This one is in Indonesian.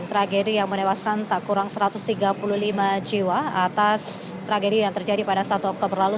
tragedi yang menewaskan tak kurang satu ratus tiga puluh lima jiwa atas tragedi yang terjadi pada satu oktober lalu